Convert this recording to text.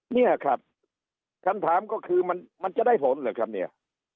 เนี่ยครับคำถามก็คือมันจะได้ผลเหรอครับเนี่ย